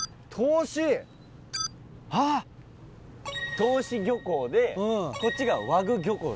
答志漁港でこっちが和具漁港です。